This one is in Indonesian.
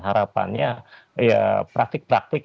harapannya ya praktik praktik